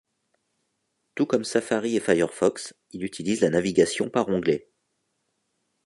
Tout comme Safari et Firefox, il utilise la navigation par onglets.